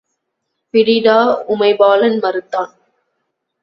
பிடிடா Umaibalan மறுத்தான்.